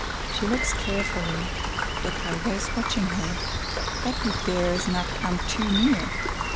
She looks carefully: the tiger is watching her, but he dares not come too near.